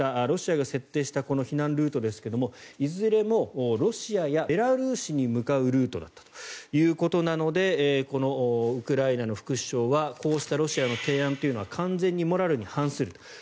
ロシアが設定した避難ルートですがいずれもロシアやベラルーシに向かうルートだったということなのでこのウクライナの副首相はこうしたロシアの提案は完全にモラルに反すると。